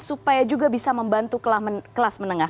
supaya juga bisa membantu kelas menengah